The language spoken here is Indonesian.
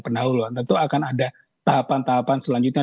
pendahuluan tentu akan ada tahapan tahapan selanjutnya